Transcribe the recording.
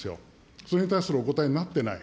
それに対するお答えになってない。